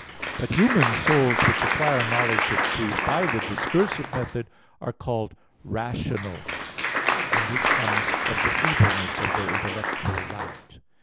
But human souls which acquire knowledge of truth by the discursive method are called "rational"; and this comes of the feebleness of their intellectual light.